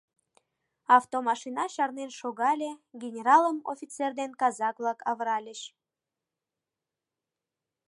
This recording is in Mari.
Автомашина чарнен шогале, генералым офицер ден казак-влак авыральыч.